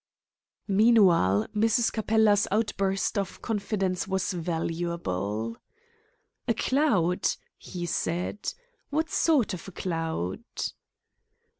Meanwhile, Mrs. Capella's outburst of confidence was valuable. "A cloud!" he said. "What sort of a cloud?"